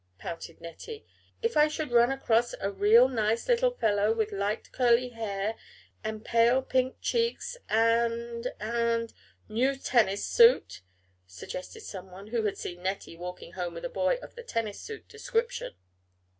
pouted Nettie. "If I should run across a real nice little fellow, with light curly hair, and pale pink cheeks, and and " "New tennis suit," suggested someone, who had seen Nettie walking home with a boy of the tennis suit description.